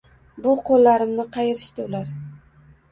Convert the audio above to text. Bu qo‘llarimni qayirishdi ular.